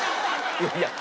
いやいや。